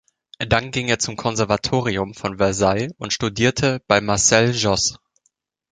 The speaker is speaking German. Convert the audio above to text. Dann ging er zum Konservatorium von Versailles und studierte bei Marcel Josse.